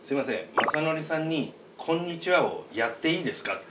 まさのりさんに「こんにちは」をやっていいですかって。